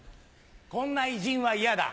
こんな偉人はイヤだ。